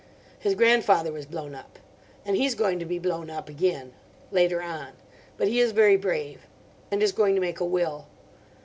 His grandfather was blown up. And he's going to be blown up again. Later on. But he is very brave. And is going to make a will.